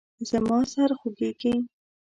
زما سر خوږیږي